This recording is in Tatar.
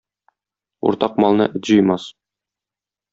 Уртак малны эт җыймас.